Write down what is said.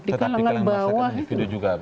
di kalangan bawah itu